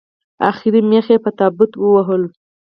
اخري مېخ یې په تابوت ووهلو